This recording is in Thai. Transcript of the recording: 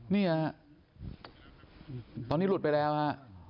เนี่ยฮะตอนนี้หลุดไปแล้วฮะ